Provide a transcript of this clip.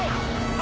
あ！